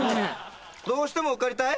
どうしても受かりたい？